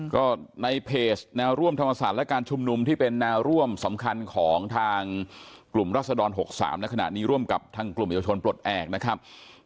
ก็ในเพจแนวร่วมธรรมศาสตร์และการชุมนุมที่เป็นแนวร่วมสำคัญของทางกลุ่มรัศดร๖๓ในขณะนี้ร่วมกับทางกลุ่มเยาวชนปลดแอบนะครับ